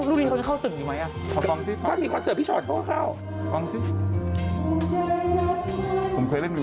ฮู้พี่ไก๊อย่างแบบว่าผม๑๒ยังไม่รู้อย่างนึงเลย